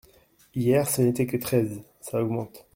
Hier, ce n’était que treize… ça augmente…